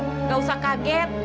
tidak usah kaget